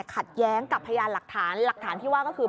ขัดแย้งกับพยานหลักฐานหลักฐานที่ว่าก็คือ